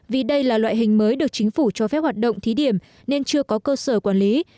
vì đây là loại hình mới được chính phủ cho phép hoạt động thí điểm nên chưa có cơ sở quản lý